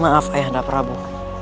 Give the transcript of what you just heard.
maaf ayah anda pramu